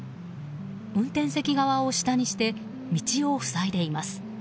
運転席側を下にして道を塞いでいます。